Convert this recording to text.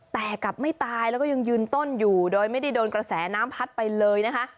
แต่กลับไม่ตายแล้วก็ยังยืนต้นอยู่โดยไม่ได้โดนกระแสน้ำพัดไปเลยนะคะ